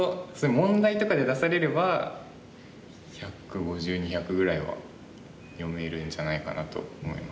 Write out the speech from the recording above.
問題とかで出されれば１５０２００ぐらいは読めるんじゃないかなと思います。